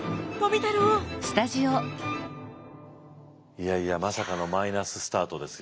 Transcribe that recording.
いやいやまさかのマイナススタートですよ。